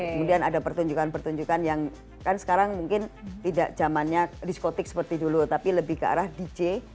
kemudian ada pertunjukan pertunjukan yang kan sekarang mungkin tidak zamannya diskotik seperti dulu tapi lebih ke arah dj